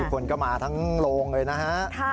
คนก็มาทั้งโรงเลยนะฮะ